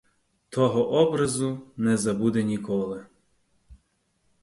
Того образу не забуде ніколи.